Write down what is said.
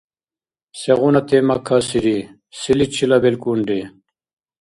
Сегъуна тема касири, селичила белкӏунри?